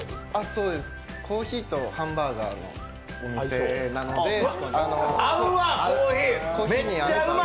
そうです、コーヒーとハンバーガーの店なのでコーヒーに合うように。